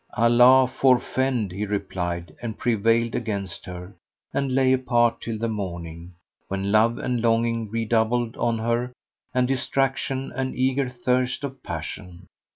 "Allah forefend!" he replied and prevailed against her and lay apart till the morning, when love and longing redoubled on her and distraction and eager thirst of passion.